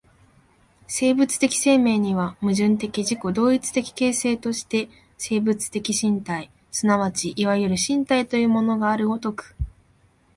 生物的生命には、矛盾的自己同一的形成として生物的身体即ちいわゆる身体というものがある如く、